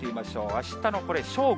あしたのこれ、正午。